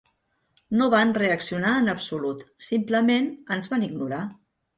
No van reaccionar en absolut; simplement, ens van ignorar.